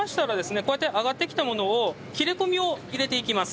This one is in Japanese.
こうやって揚がってきたものを切れ込みを入れていきます。